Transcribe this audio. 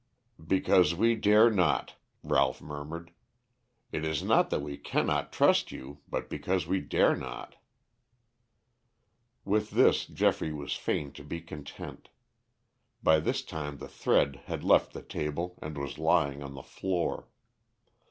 "Because we dare not," Ralph murmured. "It is not that we cannot trust you, but because we dare not." With this Geoffrey was fain to be content. By this time the thread had left the table, and was lying on the floor.